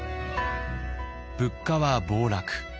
物価は暴落。